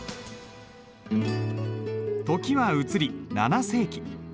時は移り７世紀。